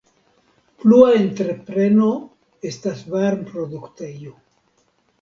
Plua entrepreno estas varmproduktejo.